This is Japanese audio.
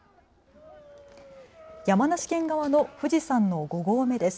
山梨県側の富士山の５合目です。